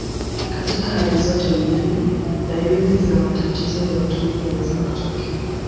Katika hali zote mbili, dalili za matatizo ya utumbo huweza kutokea.